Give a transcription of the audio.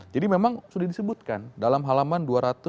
jadi memang sudah disebutkan dalam halaman dua ratus enam puluh sembilan